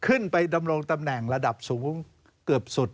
ดำรงตำแหน่งระดับสูงเกือบสุด